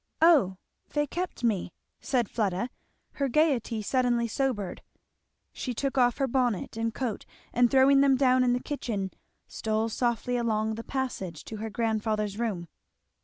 "O they kept me," said Fleda. Her gayety suddenly sobered, she took off her bonnet and coat and throwing them down in the kitchen stole softly along the passage to her grandfather's room.